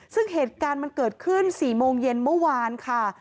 ซึ่งเหตุการณ์มันเกิดขึ้น๔โมงเย็นเมื่อวานค่ะ